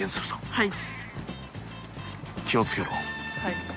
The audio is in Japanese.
はい。